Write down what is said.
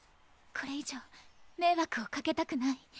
これ以上迷惑をかけたくない。